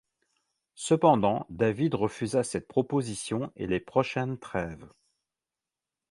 Cependant, David refusa cette proposition et les prochaines trêves.